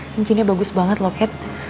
cincinnya bagus banget loh kat